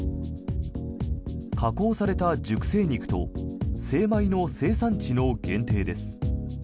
加工された熟成肉と精米の生産地の限定です。